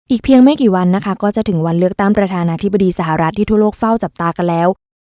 เพียงไม่กี่วันนะคะก็จะถึงวันเลือกตั้งประธานาธิบดีสหรัฐที่ทั่วโลกเฝ้าจับตากันแล้ว